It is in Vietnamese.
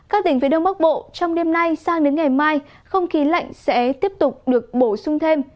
các tỉnh phía đông bắc bộ trong đêm nay sang đến ngày mai không khí lạnh sẽ tiếp tục được bổ sung thêm